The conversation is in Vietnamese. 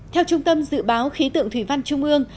theo trung tâm dự báo khí tượng thủy văn trung ương